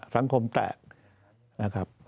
สังคมแตกนะครับ